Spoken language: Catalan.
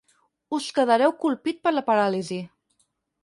Us quedareu colpit per la paràlisi.